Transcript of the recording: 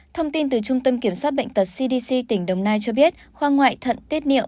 thông tin từ trung tâm kiểm soát bệnh tật cdc tỉnh đồng nai cho biết khoa ngoại thận tiết niệu